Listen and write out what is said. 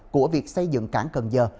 của việc xây dựng cảng cần giờ